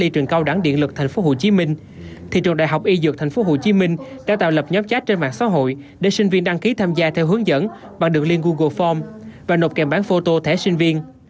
trường đại học y dược thành phố hồ chí minh đã tạo lập nhóm chat trên mạng xã hội để sinh viên đăng ký tham gia theo hướng dẫn bằng đường liên google form và nộp kèm bán phô tô thẻ sinh viên